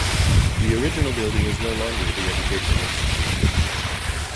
The original building is no longer the educational institute.